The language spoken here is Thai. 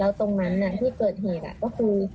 ตรงนั้นที่เกิดเหตุก็คือ